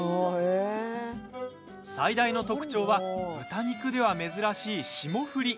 最大の特徴は豚肉では珍しい霜降り。